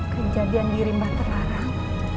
kejadian dirimba terlarang